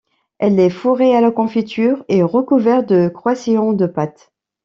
Elle est fourrée à la confiture et recouverte de croisillons de pâte.